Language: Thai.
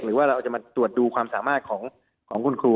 หรือว่าเราจะมาตรวจดูความสามารถของคุณครู